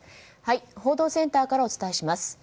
報道センターからお伝えします。